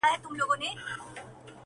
ستاسو خوږو مینوالو سره شریکوم .!